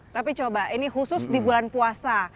tapi coba ini khusus di bulan puasa